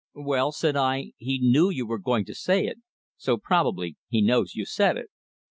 "Well," said I, "he knew you were going to say it, so probably he knows you said it."